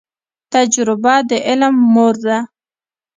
تجریبه د علم مور ده